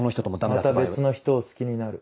また別の人を好きになる。